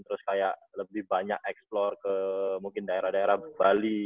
terus kayak lebih banyak explore ke mungkin daerah daerah bali